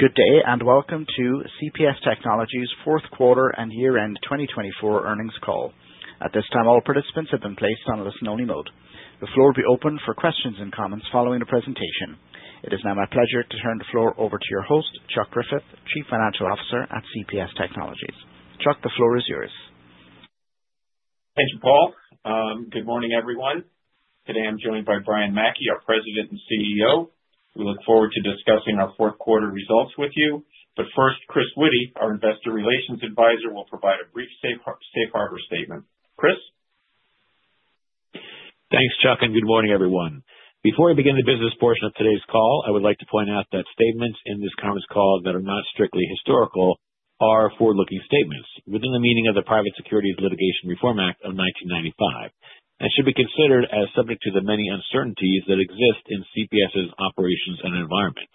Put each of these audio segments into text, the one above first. Good day and welcome to CPS Technologies' Q4 and year-end 2024 earnings call. At this time, all participants have been placed on a listen-only mode. The floor will be open for questions and comments following the presentation. It is now my pleasure to turn the floor over to your host, Charles Griffith, Chief Financial Officer at CPS Technologies. Chuck, the floor is yours. Thank you, Paul. Good morning, everyone. Today I'm joined by Brian Mackey, our President and CEO. We look forward to discussing our Q4 results with you. First, Chris Witty, our Investor Relations Advisor, will provide a brief safe harbor statement. Chris? Thanks, Chuck, and good morning, everyone. Before I begin the business portion of today's call, I would like to point out that statements in this Conference Call that are not strictly historical are forward-looking statements within the meaning of the Private Securities Litigation Reform Act of 1995 and should be considered as subject to the many uncertainties that exist in CPS's operations and environment.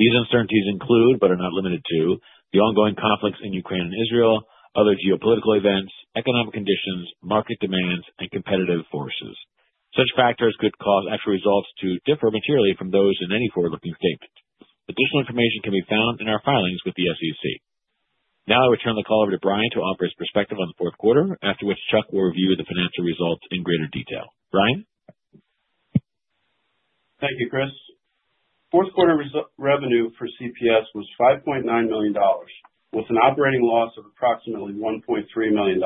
These uncertainties include, but are not limited to, the ongoing conflicts in Ukraine and Israel, other geopolitical events, economic conditions, market demands, and competitive forces. Such factors could cause actual results to differ materially from those in any forward-looking statement. Additional information can be found in our filings with the SEC. Now I will turn the call over to Chris Witty, our Investor Relations Advisor to offer his perspective on the Q4, after which Chuck will review the financial results in greater detail. Brian? Thank you, Chris. Q4 revenue for CPS was $5.9 million, with an operating loss of approximately $1.3 million.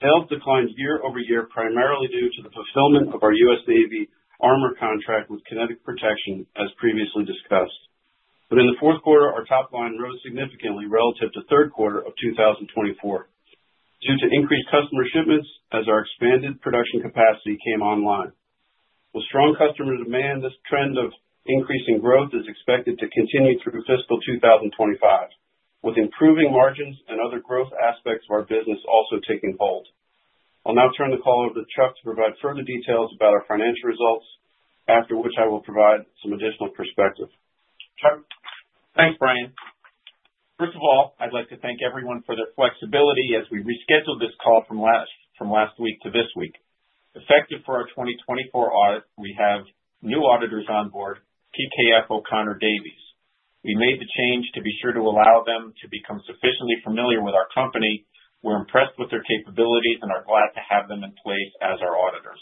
Health declined year over year primarily due to the fulfillment of our US Navy armor contract with Kinetic Protection, as previously discussed. In the Q4, our top line rose significantly relative to the Q3 of 2024 due to increased customer shipments as our expanded production capacity came online. With strong customer demand, this trend of increasing growth is expected to continue through fiscal 2025, with improving margins and other growth aspects of our business also taking hold. I'll now turn the call over to Chuck to provide further details about our financial results, after which I will provide some additional perspective. Chuck? Thanks, Brian. First of all, I'd like to thank everyone for their flexibility as we rescheduled this call from last week to this week. Effective for our 2024 audit, we have new auditors on board, PKF O'Connor Davies. We made the change to be sure to allow them to become sufficiently familiar with our company. We're impressed with their capabilities and are glad to have them in place as our auditors.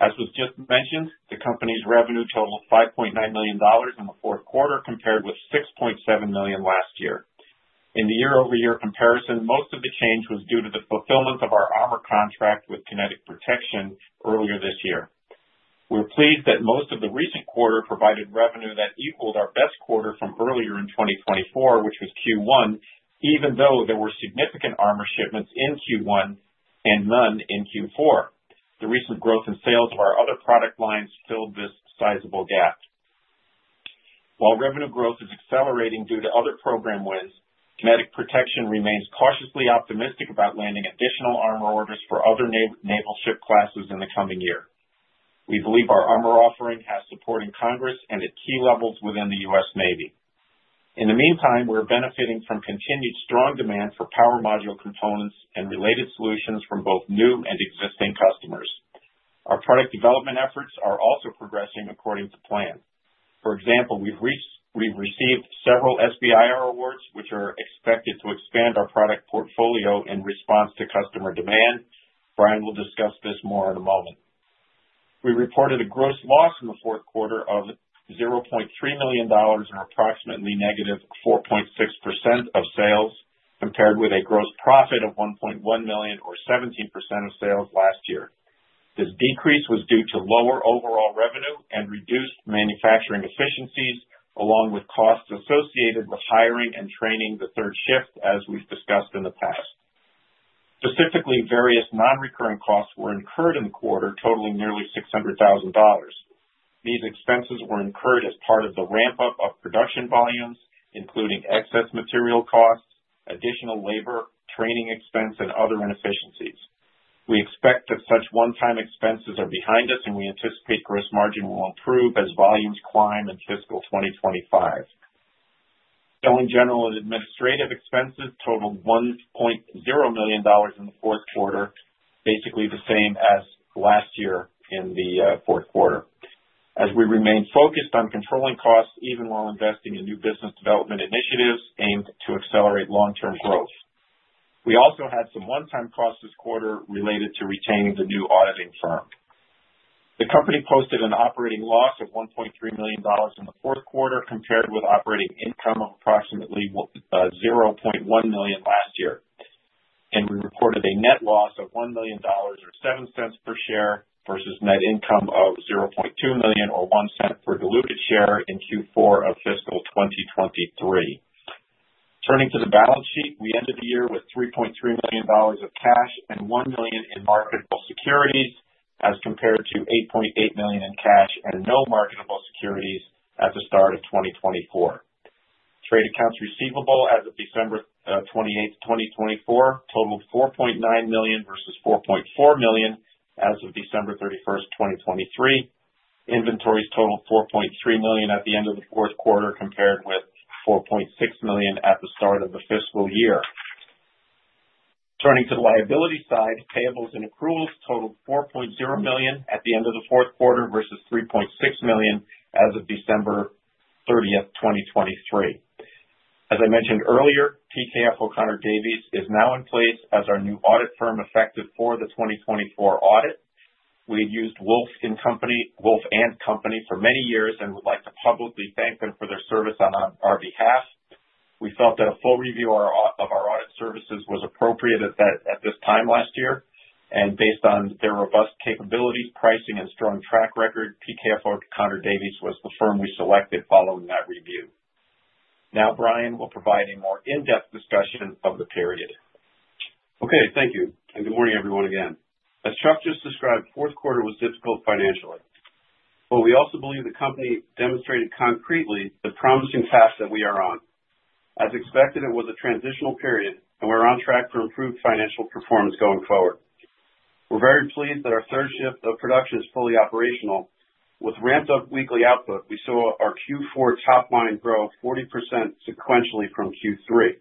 As was just mentioned, the company's revenue totaled $5.9 million in the Q4, compared with $6.7 million last year. In the year-over-year comparison, most of the change was due to the fulfillment of our armor contract with Kinetic Protection earlier this year. We're pleased that most of the recent quarter provided revenue that equaled our best quarter from earlier in 2024, which was Q1, even though there were significant armor shipments in Q1 and none in Q4. The recent growth in sales of our other product lines filled this sizable gap. While revenue growth is accelerating due to other program wins, Kinetic Protection remains cautiously optimistic about landing additional armor orders for other naval ship classes in the coming year. We believe our armor offering has support in Congress and at key levels within the US Navy. In the meantime, we're benefiting from continued strong demand for power module components and related solutions from both new and existing customers. Our product development efforts are also progressing according to plan. For example, we've received several SBIR awards, which are expected to expand our product portfolio in response to customer demand. Brian will discuss this more in a moment. We reported a gross loss in the Q4 of $0.3 million and approximately negative 4.6% of sales, compared with a gross profit of $1.1 million, or 17% of sales last year. This decrease was due to lower overall revenue and reduced manufacturing efficiencies, along with costs associated with hiring and training the third shift, as we've discussed in the past. Specifically, various non-recurring costs were incurred in the quarter, totaling nearly $600,000. These expenses were incurred as part of the ramp-up of production volumes, including excess material costs, additional labor, training expense, and other inefficiencies. We expect that such one-time expenses are behind us, and we anticipate gross margin will improve as volumes climb in fiscal 2025. Selling general and administrative expenses totaled $1.0 million in the Q4, basically the same as last year in the Q4, as we remain focused on controlling costs even while investing in new business development initiatives aimed to accelerate long-term growth. We also had some one-time costs this quarter related to retaining the new auditing firm. The company posted an operating loss of $1.3 million in the Q4, compared with operating income of approximately $0.1 million last year. We reported a net loss of $1.00007 per share versus net income of $0.200001 per diluted share in Q4 of fiscal 2023. Turning to the balance sheet, we ended the year with $3.3 million of cash and $1 million in marketable securities, as compared to $8.8 million in cash and no marketable securities at the start of 2024. Trade accounts receivable as of December 28, 2024, totaled $4.9 million versus $4.4 million as of December 31, 2023. Inventories totaled $4.3 million at the end of the Q4, compared with $4.6 million at the start of the fiscal year. Turning to the liability side, payables and accruals totaled $4.0 million at the end of the Q4 versus $3.6 million as of December 30, 2023. As I mentioned earlier, PKF O'Connor Davies is now in place as our new audit firm effective for the 2024 audit. We had used Wolf & Company for many years and would like to publicly thank them for their service on our behalf. We felt that a full review of our audit services was appropriate at this time last year. Based on their robust capabilities, pricing, and strong track record, PKF O'Connor Davies was the firm we selected following that review. Now, Brian will provide a more in-depth discussion of the period. Okay. Thank you. Good morning, everyone, again. As Chuck just described, the Q4 was difficult financially. We also believe the company demonstrated concretely the promising path that we are on. As expected, it was a transitional period, and we're on track for improved financial performance going forward. We're very pleased that our third shift of production is fully operational. With ramp-up weekly output, we saw our Q4 top line grow 40% sequentially from Q3.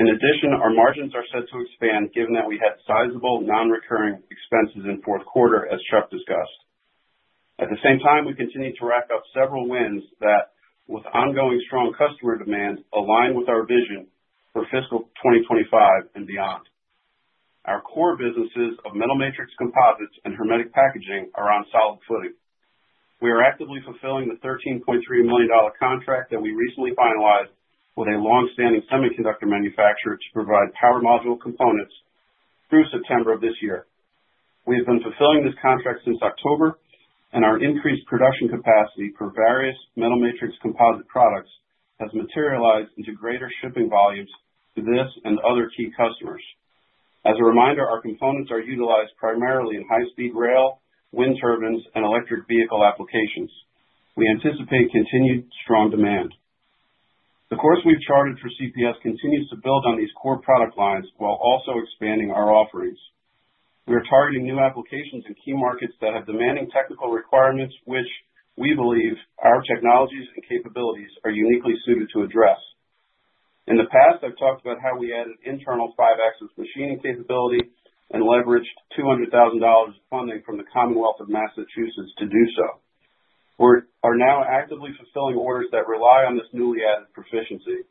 In addition, our margins are set to expand, given that we had sizable non-recurring expenses in the Q4, as Chuck discussed. At the same time, we continue to rack up several wins that, with ongoing strong customer demand, align with our vision for fiscal 2025 and beyond. Our core businesses of metal matrix composites and hermetic packaging are on solid footing. We are actively fulfilling the $13.3 million contract that we recently finalized with a long-standing semiconductor manufacturer to provide power module components through September of this year. We have been fulfilling this contract since October, and our increased production capacity for various metal matrix composite products has materialized into greater shipping volumes to this and other key customers. As a reminder, our components are utilized primarily in high-speed rail, wind turbines, and electric vehicle applications. We anticipate continued strong demand. The course we've charted for CPS continues to build on these core product lines while also expanding our offerings. We are targeting new applications in key markets that have demanding technical requirements, which we believe our technologies and capabilities are uniquely suited to address. In the past, I've talked about how we added internal 5-axis machining capability and leveraged $200,000 of funding from the Commonwealth of Massachusetts to do so. We are now actively fulfilling orders that rely on this newly added proficiency.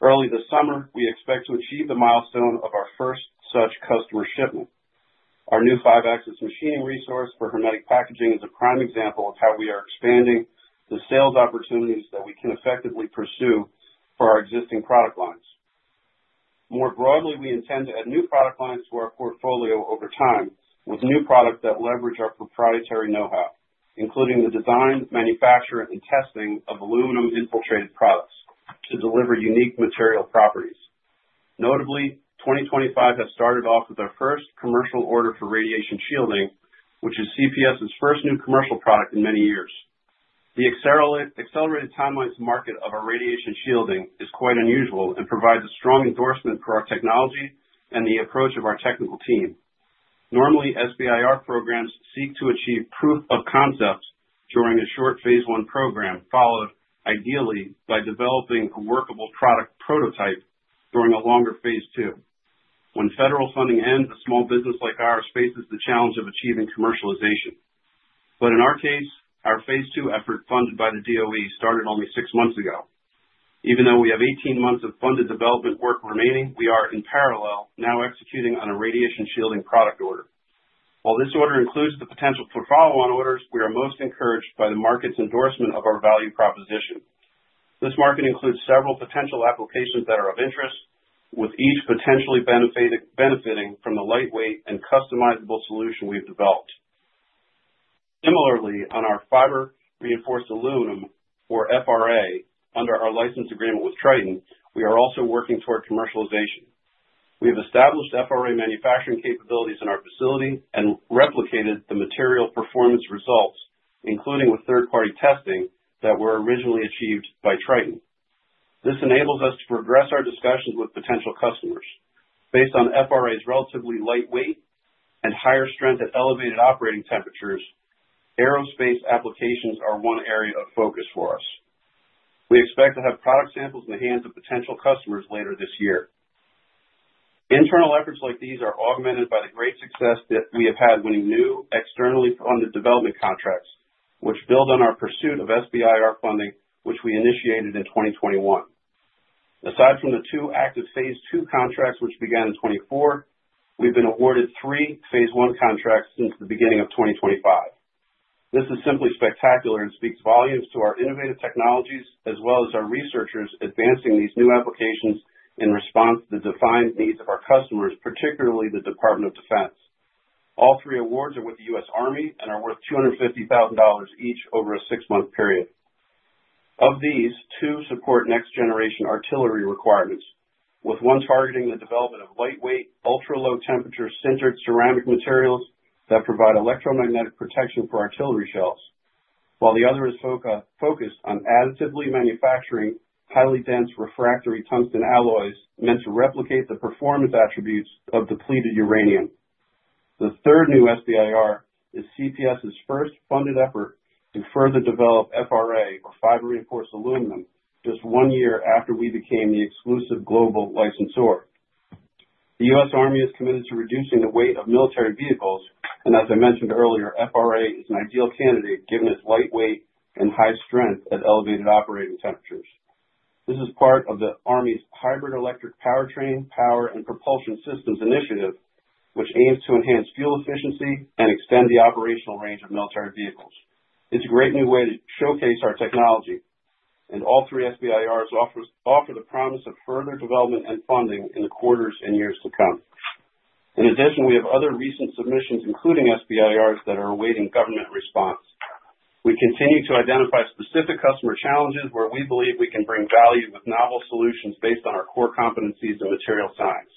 Early this summer, we expect to achieve the milestone of our first such customer shipment. Our new 5-axis machining resource for hermetic packaging is a prime example of how we are expanding the sales opportunities that we can effectively pursue for our existing product lines. More broadly, we intend to add new product lines to our portfolio over time with new products that leverage our proprietary know-how, including the design, manufacturing, and testing of aluminum-infiltrated products to deliver unique material properties. Notably, 2025 has started off with our first commercial order for radiation shielding, which is CPS's first new commercial product in many years. The accelerated timeline to market of our radiation shielding is quite unusual and provides a strong endorsement for our technology and the approach of our technical team. Normally, SBIR programs seek to achieve proof of concept during a short Phase I program, followed ideally by developing a workable product prototype during a longer Phase II. When federal funding ends, a small business like ours faces the challenge of achieving commercialization. In our case, our Phase II effort funded by the DOE started only six months ago. Even though we have 18 months of funded development work remaining, we are, in parallel, now executing on a radiation shielding product order. While this order includes the potential for follow-on orders, we are most encouraged by the market's endorsement of our value proposition. This market includes several potential applications that are of interest, with each potentially benefiting from the lightweight and customizable solution we've developed. Similarly, on our fiber-reinforced aluminum, or FRA, under our license agreement with Triton, we are also working toward commercialization. We have established FRA manufacturing capabilities in our facility and replicated the material performance results, including with third-party testing, that were originally achieved by Triton. This enables us to progress our discussions with potential customers. Based on FRA's relatively lightweight and higher strength at elevated operating temperatures, aerospace applications are one area of focus for us. We expect to have product samples in the hands of potential customers later this year. Internal efforts like these are augmented by the great success that we have had winning new externally funded development contracts, which build on our pursuit of SBIR funding, which we initiated in 2021. Aside from the two active Phase II contracts, which began in 2024, we've been awarded three Phase I contracts since the beginning of 2025. This is simply spectacular and speaks volumes to our innovative technologies as well as our researchers advancing these new applications in response to the defined needs of our customers, particularly the Department of Defense. All three awards are with the US Army and are worth $250,000 each over a six-month period. Of these, two support next-generation artillery requirements, with one targeting the development of lightweight, ultra-low-temperature sintered ceramic materials that provide electromagnetic protection for artillery shells, while the other is focused on additively manufacturing highly dense refractory tungsten alloys meant to replicate the performance attributes of depleted uranium. The third new SBIR is CPS's first funded effort to further develop FRA, or fiber-reinforced aluminum, just one year after we became the exclusive global licensor. The US Army is committed to reducing the weight of military vehicles, and as I mentioned earlier, FRA is an ideal candidate given its lightweight and high strength at elevated operating temperatures. This is part of the Army's Hybrid Electric Powertrain, Power, and Propulsion Systems initiative, which aims to enhance fuel efficiency and extend the operational range of military vehicles. It's a great new way to showcase our technology, and all three SBIRs offer the promise of further development and funding in the quarters and years to come. In addition, we have other recent submissions, including SBIRs, that are awaiting government response. We continue to identify specific customer challenges where we believe we can bring value with novel solutions based on our core competencies and material science.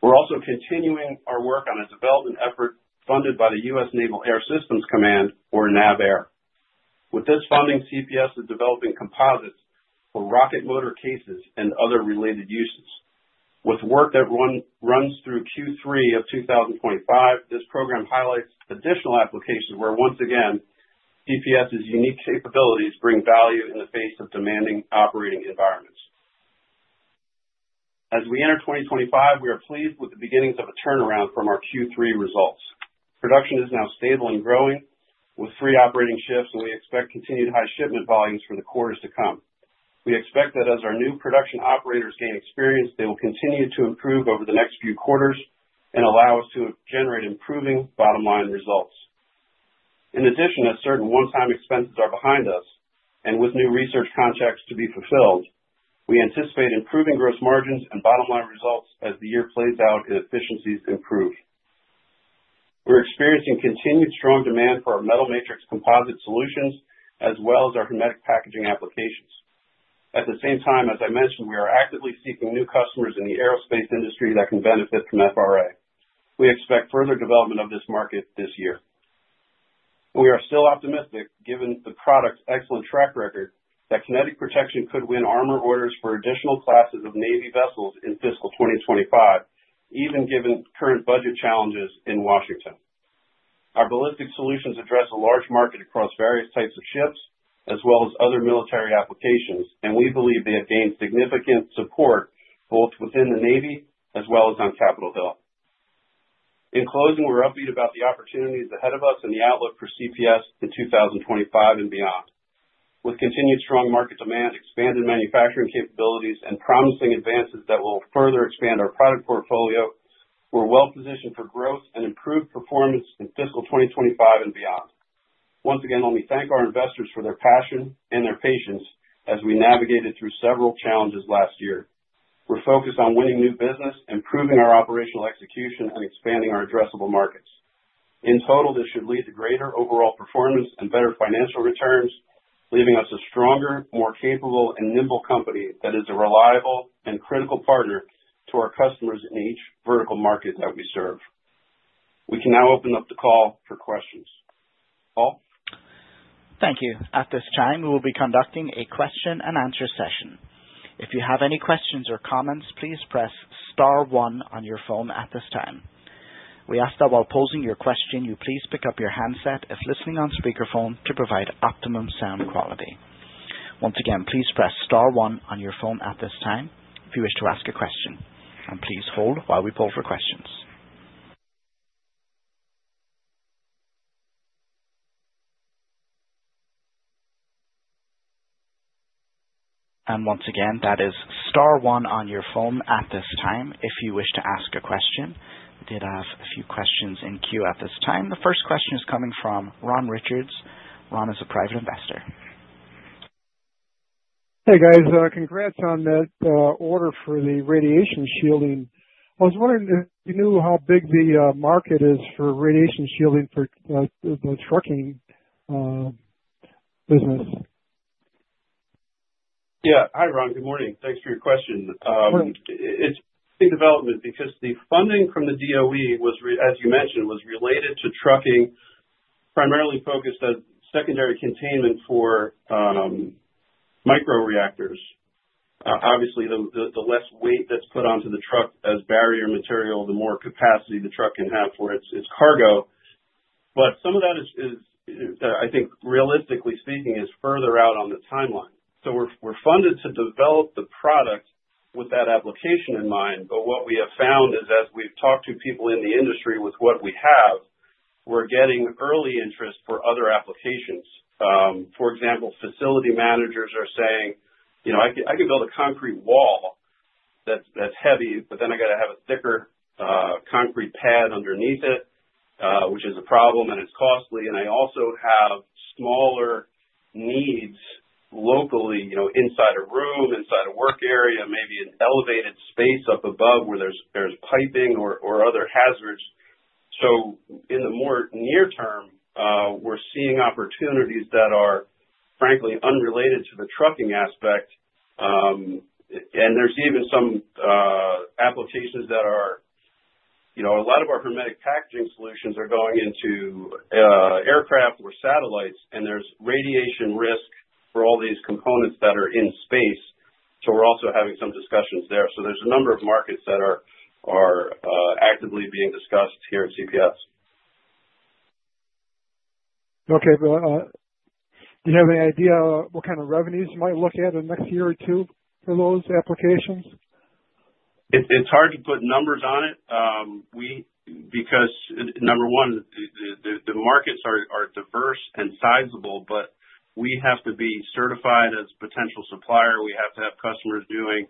We're also continuing our work on a development effort funded by the US Naval Air Systems Command, or NAVAIR. With this funding, CPS is developing composites for rocket motor cases and other related uses. With work that runs through Q3 of 2025, this program highlights additional applications where, once again, CPS's unique capabilities bring value in the face of demanding operating environments. As we enter 2025, we are pleased with the beginnings of a turnaround from our Q3 results. Production is now stable and growing with three operating shifts, and we expect continued high shipment volumes for the quarters to come. We expect that as our new production operators gain experience, they will continue to improve over the next few quarters and allow us to generate improving bottom-line results. In addition, as certain one-time expenses are behind us and with new research contracts to be fulfilled, we anticipate improving gross margins and bottom-line results as the year plays out and efficiencies improve. We're experiencing continued strong demand for our metal matrix composite solutions as well as our hermetic packaging applications. At the same time, as I mentioned, we are actively seeking new customers in the aerospace industry that can benefit from FRA. We expect further development of this market this year. We are still optimistic given the product's excellent track record that Kinetic Protection could win armor orders for additional classes of Navy vessels in fiscal 2025, even given current budget challenges in Washington. Our ballistic solutions address a large market across various types of ships as well as other military applications, and we believe they have gained significant support both within the Navy as well as on Capitol Hill. In closing, we're upbeat about the opportunities ahead of us and the outlook for CPS in 2025 and beyond. With continued strong market demand, expanded manufacturing capabilities, and promising advances that will further expand our product portfolio, we're well-positioned for growth and improved performance in fiscal 2025 and beyond. Once again, let me thank our investors for their passion and their patience as we navigated through several challenges last year. We're focused on winning new business, improving our operational execution, and expanding our addressable markets. In total, this should lead to greater overall performance and better financial returns, leaving us a stronger, more capable, and nimble company that is a reliable and critical partner to our customers in each vertical market that we serve. We can now open up the call for questions. Paul? Thank you. At this time, we will be conducting a question-and-answer session. If you have any questions or comments, please press star one on your phone at this time. We ask that while posing your question, you please pick up your handset if listening on speakerphone to provide optimum sound quality. Once again, please press star one on your phone at this time if you wish to ask a question. Please hold while we pull for questions. Once again, that is star one on your phone at this time if you wish to ask a question. We did have a few questions in queue at this time. The first question is coming from Ron Richards. Ron is a private investor. Hey, guys. Congrats on that order for the radiation shielding. I was wondering if you knew how big the market is for radiation shielding for the trucking business. Yeah. Hi, Ron. Good morning. Thanks for your question. Good morning. It's big development because the funding from the DOE, as you mentioned, was related to trucking, primarily focused on secondary containment for micro-reactors. Obviously, the less weight that's put onto the truck as barrier material, the more capacity the truck can have for its cargo. Some of that is, I think, realistically speaking, further out on the timeline. We are funded to develop the product with that application in mind. What we have found is, as we've talked to people in the industry with what we have, we're getting early interest for other applications. For example, facility managers are saying, "I can build a concrete wall that's heavy, but then I got to have a thicker concrete pad underneath it, which is a problem and it's costly." I also have smaller needs locally inside a room, inside a work area, maybe an elevated space up above where there's piping or other hazards. In the more near term, we're seeing opportunities that are, frankly, unrelated to the trucking aspect. There's even some applications that are a lot of our hermetic packaging solutions are going into aircraft or satellites, and there's radiation risk for all these components that are in space. We're also having some discussions there. There are a number of markets that are actively being discussed here at CPS. Okay. Do you have any idea what kind of revenues you might look at in the next year or two for those applications? It's hard to put numbers on it because, number one, the markets are diverse and sizable, but we have to be certified as a potential supplier. We have to have customers doing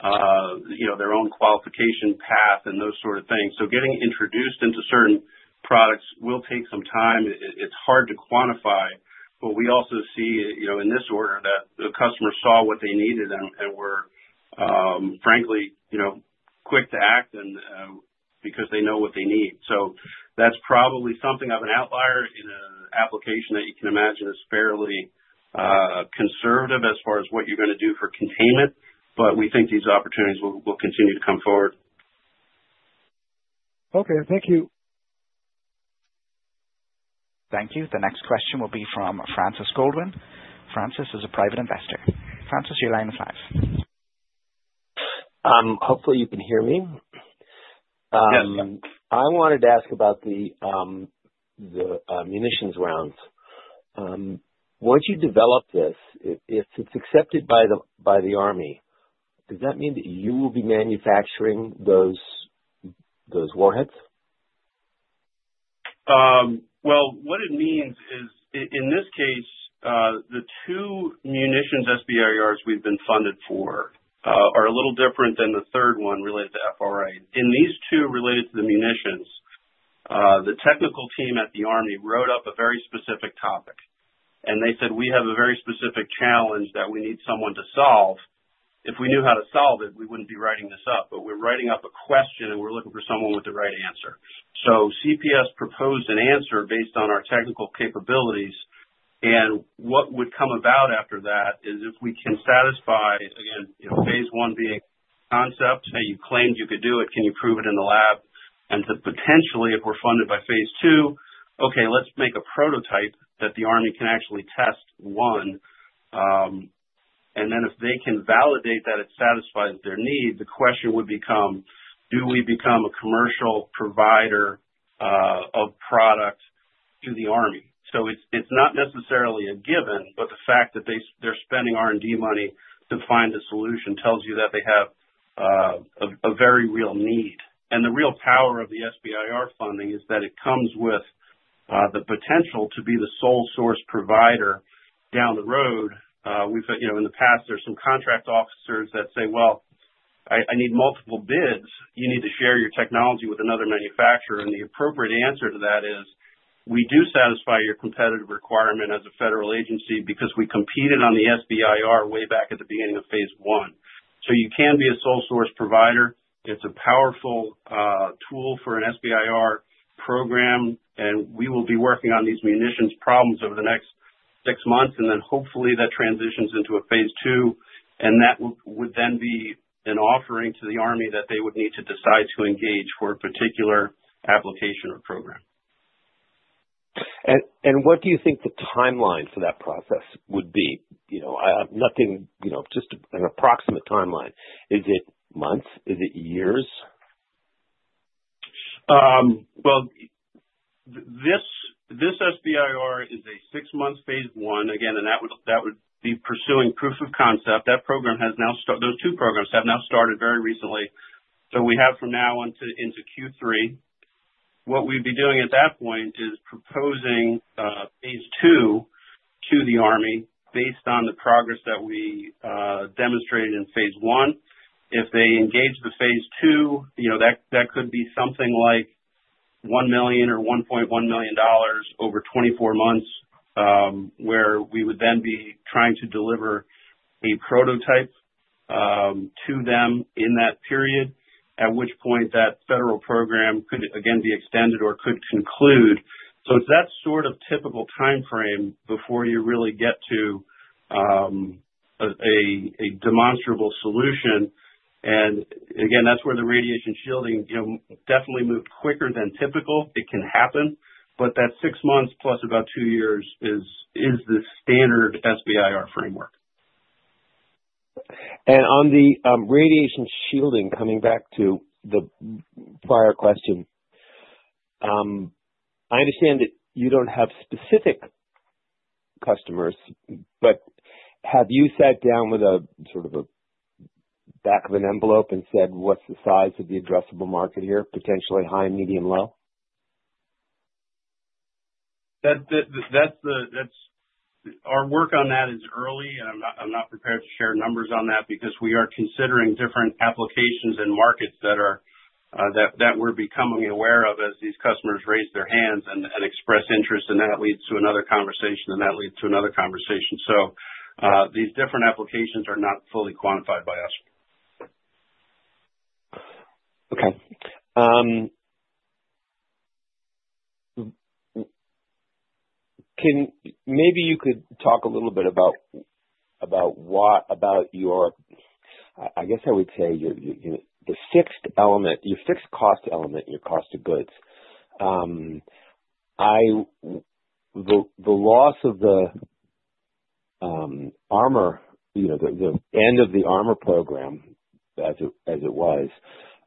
their own qualification path and those sort of things. Getting introduced into certain products will take some time. It's hard to quantify. We also see in this order that the customer saw what they needed and were, frankly, quick to act because they know what they need. That's probably something of an outlier in an application that you can imagine is fairly conservative as far as what you're going to do for containment. We think these opportunities will continue to come forward. Okay. Thank you. Thank you. The next question will be from Francis Goldwyn. Francis is a private investor. Francis, you're live at five. Hopefully, you can hear me. Yes. I wanted to ask about the munitions rounds. Once you develop this, if it's accepted by the Army, does that mean that you will be manufacturing those warheads? What it means is, in this case, the two munitions SBIRs we've been funded for are a little different than the third one related to FRA. In these two related to the munitions, the technical team at the Army wrote up a very specific topic. They said, "We have a very specific challenge that we need someone to solve. If we knew how to solve it, we wouldn't be writing this up. We're writing up a question, and we're looking for someone with the right answer." CPS proposed an answer based on our technical capabilities. What would come about after that is if we can satisfy, again, Phase I being concept, "Hey, you claimed you could do it. Can you prove it in the lab?" If we're funded by Phase II, "Okay, let's make a prototype that the army can actually test one." If they can validate that it satisfies their need, the question would become, "Do we become a commercial provider of product to the army?" It is not necessarily a given, but the fact that they're spending R&D money to find a solution tells you that they have a very real need. The real power of the SBIR funding is that it comes with the potential to be the sole source provider down the road. In the past, there were some contract officers that say, "Well, I need multiple bids. You need to share your technology with another manufacturer." The appropriate answer to that is, "We do satisfy your competitive requirement as a federal agency because we competed on the SBIR way back at the beginning of Phase I." You can be a sole source provider. It is a powerful tool for an SBIR program. We will be working on these munitions problems over the next six months. Hopefully, that transitions into a Phase II. That would then be an offering to the Army that they would need to decide to engage for a particular application or program. What do you think the timeline for that process would be? Just an approximate timeline. Is it months? Is it years? This SBIR is a six-month Phase I. Again, that would be pursuing proof of concept. Those two programs have now started very recently. We have from now on into Q3. What we'd be doing at that point is proposing Phase II to the Army based on the progress that we demonstrated in Phase I. If they engage the Phase II, that could be something like $1 million or $1.1 million over 24 months, where we would then be trying to deliver a prototype to them in that period, at which point that federal program could, again, be extended or could conclude. It is that sort of typical timeframe before you really get to a demonstrable solution. Again, that's where the radiation shielding definitely moved quicker than typical. It can happen. That six months plus about two years is the standard SBIR framework. On the radiation shielding, coming back to the prior question, I understand that you don't have specific customers. Have you sat down with a sort of a back of an envelope and said, "What's the size of the addressable market here? Potentially high, medium, low? That's our work on that is early. I'm not prepared to share numbers on that because we are considering different applications and markets that we're becoming aware of as these customers raise their hands and express interest. That leads to another conversation. That leads to another conversation. These different applications are not fully quantified by us. Okay. Maybe you could talk a little bit about your, I guess I would say, the fixed cost element, your cost of goods. The loss of the armor, the end of the armor program as it was,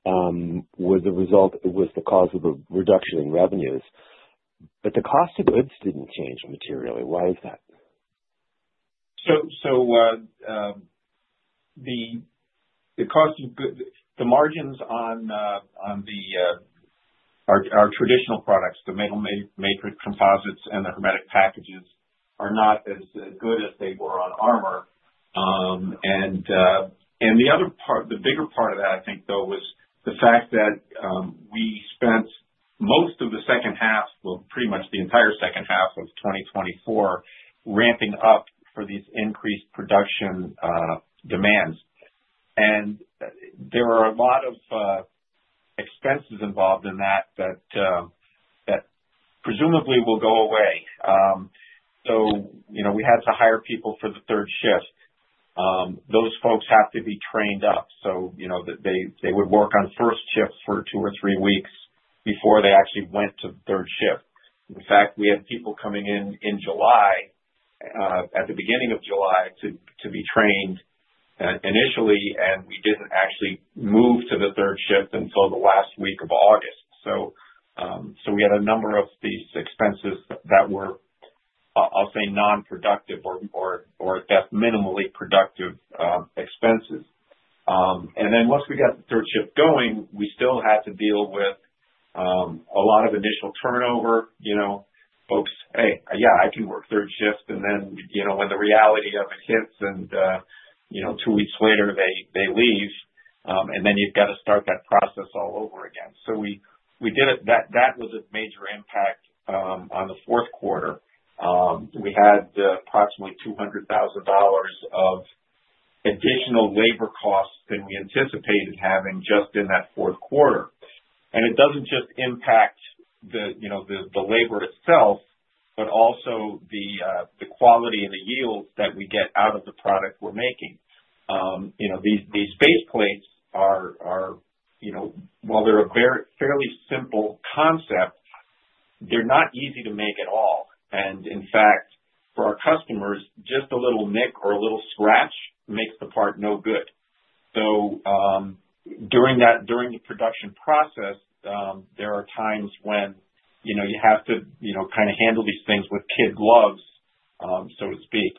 was the result, was the cause of a reduction in revenues. The cost of goods didn't change materially. Why is that? The cost of goods, the margins on our traditional products, the metal matrix composites and the hermetic packages, are not as good as they were on armor. The bigger part of that, I think, though, was the fact that we spent most of the second half, pretty much the entire second half of 2024, ramping up for these increased production demands. There are a lot of expenses involved in that that presumably will go away. We had to hire people for the third shift. Those folks have to be trained up so that they would work on first shift for two or three weeks before they actually went to third shift. In fact, we had people coming in in July, at the beginning of July, to be trained initially. We did not actually move to the third shift until the last week of August. We had a number of these expenses that were, I'll say, non-productive or at best minimally productive expenses. Once we got the third shift going, we still had to deal with a lot of initial turnover. Folks, "Hey, yeah, I can work third shift." When the reality of it hits and two weeks later, they leave. Then you've got to start that process all over again. We did it. That was a major impact on the Q4. We had approximately $200,000 of additional labor costs than we anticipated having just in that Q4. It doesn't just impact the labor itself, but also the quality and the yields that we get out of the product we're making. These base plates are, while they're a fairly simple concept, they're not easy to make at all. In fact, for our customers, just a little nick or a little scratch makes the part no good. During the production process, there are times when you have to kind of handle these things with kid gloves, so to speak.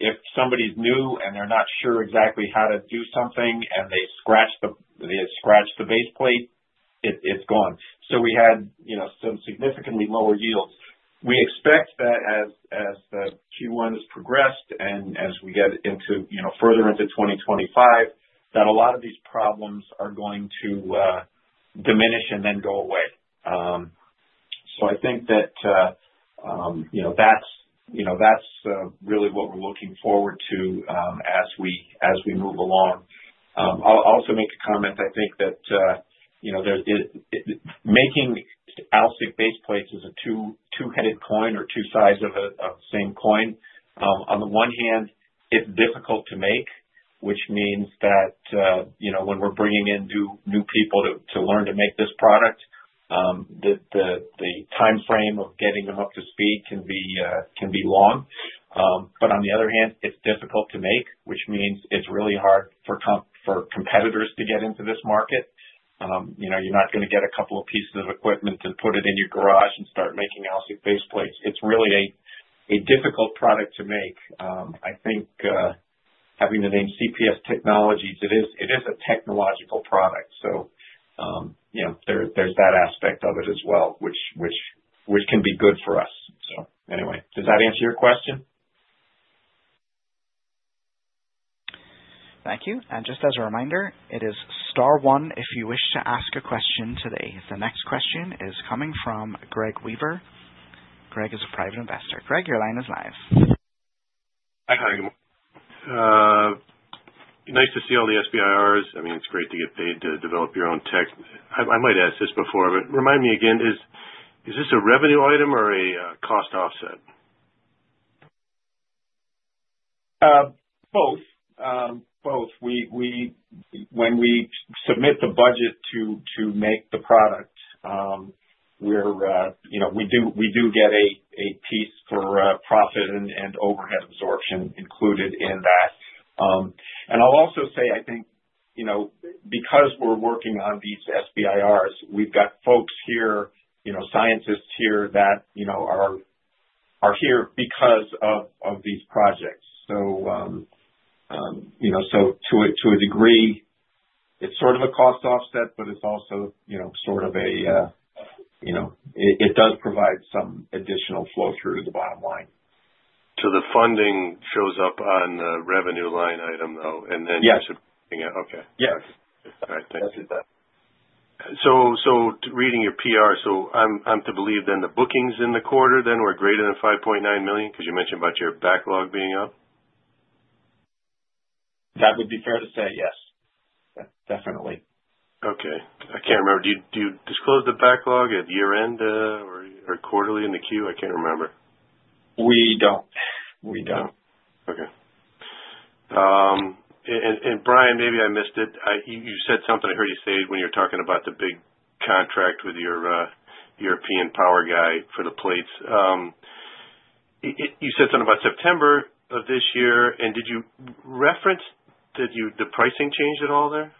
If somebody's new and they're not sure exactly how to do something and they scratch the base plate, it's gone. We had some significantly lower yields. We expect that as Q1 has progressed and as we get further into 2025, a lot of these problems are going to diminish and then go away. I think that that's really what we're looking forward to as we move along. I'll also make a comment. I think that making AlSiC base plates is a two-headed coin or two sides of the same coin. On the one hand, it's difficult to make, which means that when we're bringing in new people to learn to make this product, the timeframe of getting them up to speed can be long. However, on the other hand, it's difficult to make, which means it's really hard for competitors to get into this market. You're not going to get a couple of pieces of equipment and put it in your garage and start making AlSiC base plates. It's really a difficult product to make. I think having the name CPS Technologies, it is a technological product. There is that aspect of it as well, which can be good for us. Anyway, does that answer your question? Thank you. Just as a reminder, it is star one if you wish to ask a question today. The next question is coming from Greg Weaver. Greg is a private investor. Greg, your line is live. Hi, hi. Nice to see all the SBIRs. I mean, it's great to get paid to develop your own tech. I might have asked this before, but remind me again, is this a revenue item or a cost offset? Both. Both. When we submit the budget to make the product, we do get a piece for profit and overhead absorption included in that. I'll also say, I think because we're working on these SBIRs, we've got folks here, scientists here that are here because of these projects. To a degree, it's sort of a cost offset, but it does provide some additional flow through to the bottom line. The funding shows up on the revenue line item, though, and then you submit. Yes. Okay. Yes. All right. Thanks. That's it. Reading your PR, so I'm to believe then the bookings in the quarter then were greater than $5.9 million because you mentioned about your backlog being up? That would be fair to say, yes. Definitely. Okay. I can't remember. Do you disclose the backlog at year-end or quarterly in the queue? I can't remember. We don't. We don't. Okay. Brian, maybe I missed it. You said something I heard you say when you were talking about the big contract with your European power guy for the plates. You said something about September of this year. Did you reference the pricing change at all there?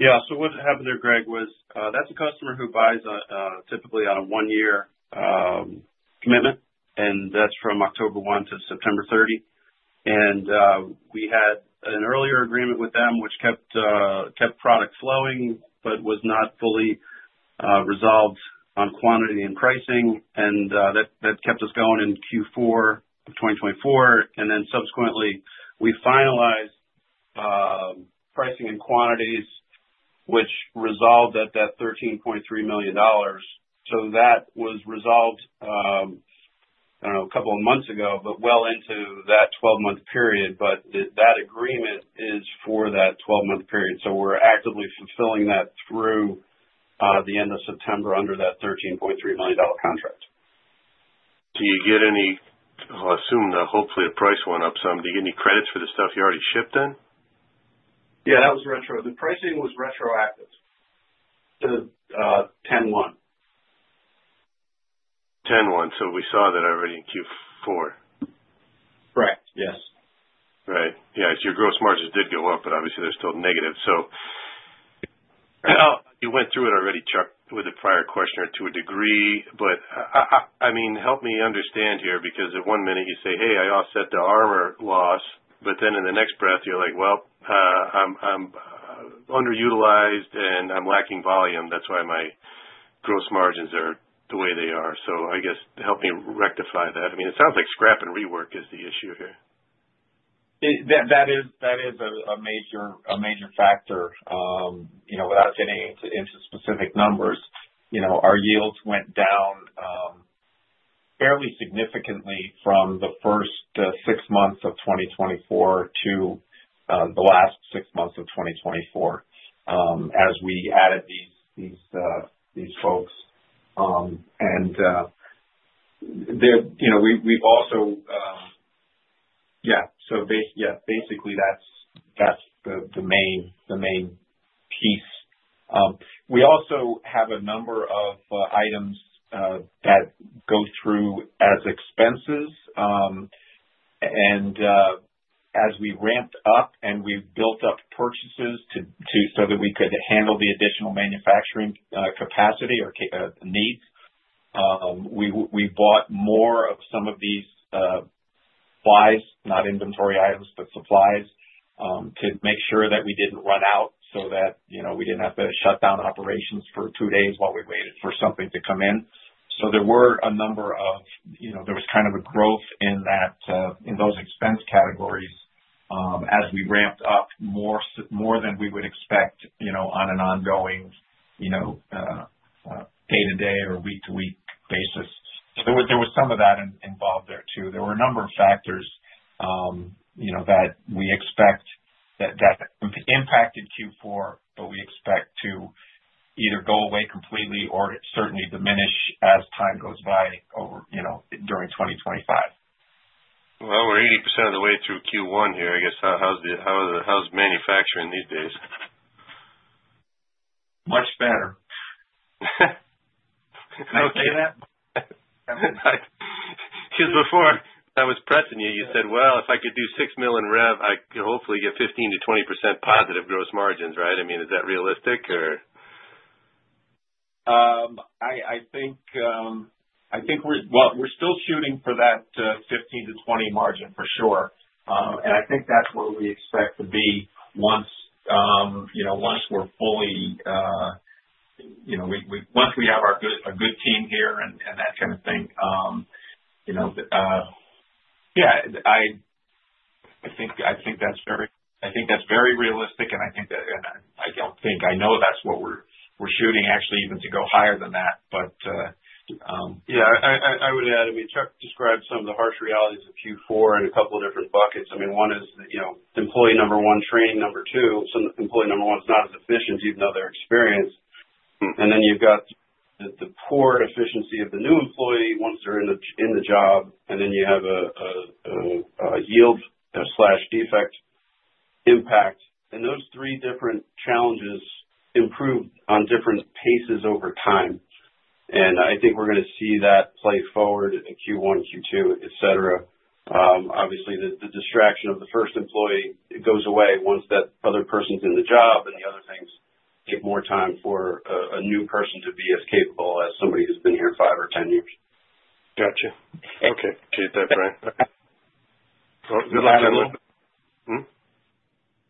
Yeah. What happened there, Greg, was that's a customer who buys typically on a one-year commitment. That's from October 1 to September 30. We had an earlier agreement with them, which kept product flowing but was not fully resolved on quantity and pricing. That kept us going in Q4 of 2024. Subsequently, we finalized pricing and quantities, which resolved at that $13.3 million. That was resolved, I don't know, a couple of months ago, but well into that 12-month period. That agreement is for that 12-month period. We're actively fulfilling that through the end of September under that $13.3 million contract. Do you get any—I’ll assume hopefully a price went up some. Do you get any credits for the stuff you already shipped in? Yeah, that was retro. The pricing was retroactive to 10/01. 10/01. We saw that already in Q4. Correct. Yes. Right. Yeah. Your gross margins did go up, but obviously, they're still negative. You went through it already, Chuck, with the prior questioner to a degree. I mean, help me understand here because at one minute you say, "Hey, I offset the armor loss." Then in the next breath, you're like, "I'm underutilized and I'm lacking volume. That's why my gross margins are the way they are." I guess help me rectify that. I mean, it sounds like scrap and rework is the issue here. That is a major factor. Without getting into specific numbers, our yields went down fairly significantly from the first six months of 2024 to the last six months of 2024 as we added these folks. And we've also—yeah. So yeah, basically, that's the main piece. We also have a number of items that go through as expenses. As we ramped up and we built up purchases so that we could handle the additional manufacturing capacity or needs, we bought more of some of these supplies, not inventory items, but supplies to make sure that we did not run out so that we did not have to shut down operations for two days while we waited for something to come in. There was kind of a growth in those expense categories as we ramped up more than we would expect on an ongoing day-to-day or week-to-week basis. There was some of that involved there too. There were a number of factors that we expect that impacted Q4, but we expect to either go away completely or certainly diminish as time goes by during 2025. We're 80% of the way through Q1 here. I guess how's manufacturing these days? Much better. Can I say that? Because before I was pressing you, you said, "Well, if I could do $6 million rev, I could hopefully get 15%-20% positive gross margins," right? I mean, is that realistic or? I think we're still shooting for that 15%-20% margin for sure. I think that's where we expect to be once we're fully—once we have a good team here and that kind of thing. Yeah. I think that's very—I think that's very realistic. I think that—I don't think—I know that's what we're shooting, actually, even to go higher than that, but. Yeah. I would add, I mean, Chuck described some of the harsh realities of Q4 in a couple of different buckets. I mean, one is employee number one, training number two. Employee number one is not as efficient, even though they're experienced. Then you've got the poor efficiency of the new employee once they're in the job. You have a yield/defect impact. Those three different challenges improved on different paces over time. I think we're going to see that play forward in Q1, Q2, etc. Obviously, the distraction of the first employee goes away once that other person's in the job, and the other things give more time for a new person to be as capable as somebody who's been here 5 or 10 years. Gotcha. Okay. Okay. Thanks, Brian. Good luck on that.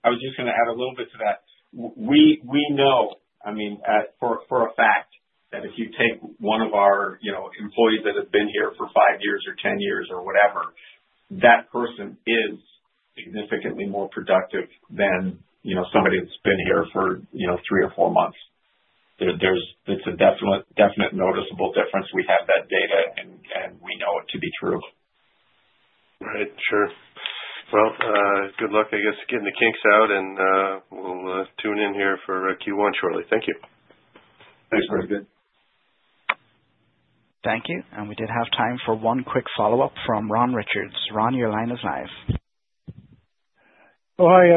I was just going to add a little bit to that. We know, I mean, for a fact that if you take one of our employees that have been here for five years or 10 years or whatever, that person is significantly more productive than somebody that's been here for three or four months. It's a definite noticeable difference. We have that data, and we know it to be true. Right. Sure. Good luck, I guess, getting the kinks out. We'll tune in here for Q1 shortly. Thank you. Thanks, Greg. Thank you. We did have time for one quick follow-up from Ron Richards. Ron, your line is live. Hi.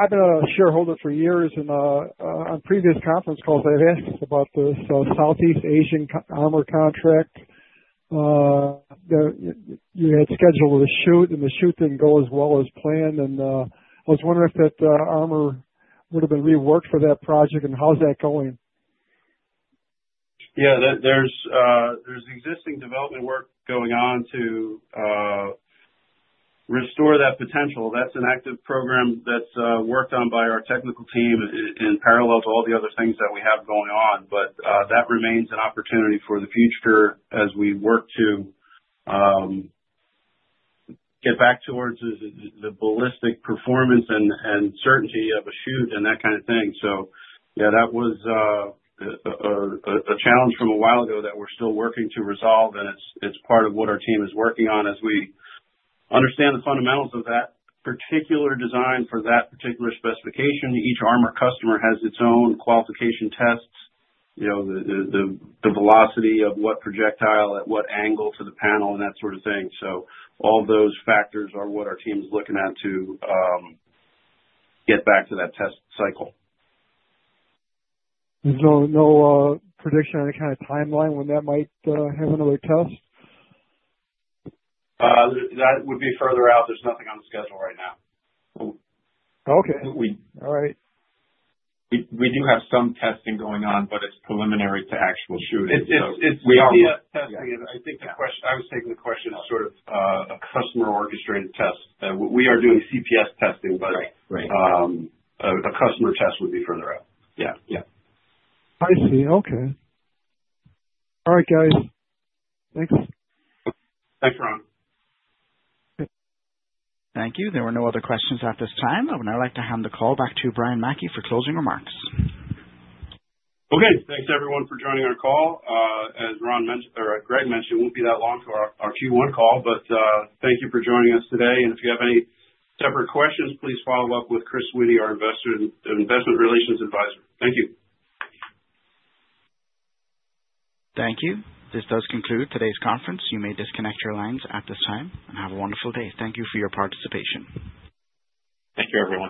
I've been a shareholder for years. On previous Conference Calls, they've asked us about the Southeast Asian armor contract. You had scheduled a shoot, and the shoot didn't go as well as planned. I was wondering if that armor would have been reworked for that project, and how's that going? Yeah. There's existing development work going on to restore that potential. That's an active program that's worked on by our technical team in parallel to all the other things that we have going on. That remains an opportunity for the future as we work to get back towards the ballistic performance and certainty of a shoot and that kind of thing. That was a challenge from a while ago that we're still working to resolve. It's part of what our team is working on as we understand the fundamentals of that particular design for that particular specification. Each armor customer has its own qualification tests, the velocity of what projectile at what angle to the panel, and that sort of thing. All those factors are what our team is looking at to get back to that test cycle. No prediction on the kind of timeline when that might have another test. That would be further out. There's nothing on the schedule right now. Okay. All right. We do have some testing going on, but it's preliminary to actual shooting. It's CPS testing. I think the question, I was taking the question as sort of a customer-orchestrated test. We are doing CPS testing, but a customer test would be further out. Yeah. Yeah. I see. Okay. All right, guys. Thanks. Thanks, Ron. Thank you. There were no other questions at this time. I would now like to hand the call back to Brian Mackey for closing remarks. Okay. Thanks, everyone, for joining our call. As Greg mentioned, it won't be that long to our Q1 call, but thank you for joining us today. If you have any separate questions, please follow up with Chris Witty, our investor relations advisor. Thank you. Thank you. This does conclude today's conference. You may disconnect your lines at this time and have a wonderful day. Thank you for your participation. Thank you, everyone.